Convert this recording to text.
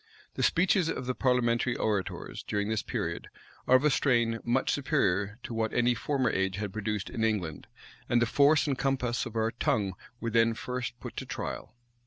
The speeches of the parliamentary orators, during this period, are of a strain much superior to what any former age had produced in England; and the force and compass of our tongue were then first put to trial.